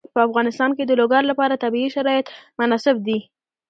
په افغانستان کې د لوگر لپاره طبیعي شرایط مناسب دي.